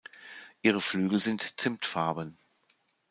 Ihre Flügel sind zimtfarben.